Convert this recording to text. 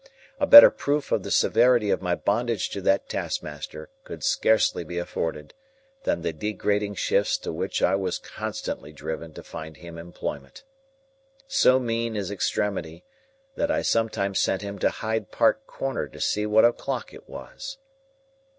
A better proof of the severity of my bondage to that taskmaster could scarcely be afforded, than the degrading shifts to which I was constantly driven to find him employment. So mean is extremity, that I sometimes sent him to Hyde Park corner to see what o'clock it was.